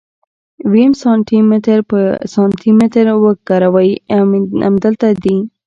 ويم سانتي متر په سانتي متر وګروئ امدلته دي.